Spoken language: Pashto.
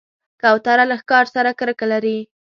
کوتره له ښکار سره کرکه لري.